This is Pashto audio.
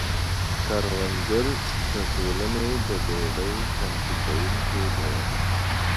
کروندګر د ټولنې د ډوډۍ چمتو کونکي دي.